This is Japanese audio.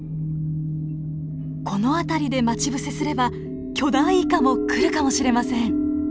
この辺りで待ち伏せすれば巨大イカも来るかもしれません。